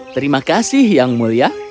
terima kasih yang mulia